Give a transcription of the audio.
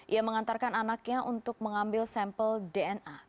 ia mengantarkan anaknya untuk mengambil sampel dna